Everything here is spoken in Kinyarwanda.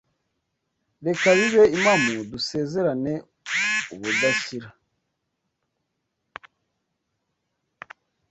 Reka bibe impamo dusezerane ubudashyira